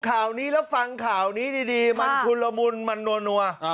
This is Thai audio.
ข่าวนี้แล้วฟังข่าวนี้ดีมันชุนละมุนมันนัว